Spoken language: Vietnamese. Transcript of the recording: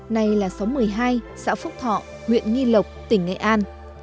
nay là xóm một mươi hai xã phúc thọ huyện nghi lộc tỉnh nghệ an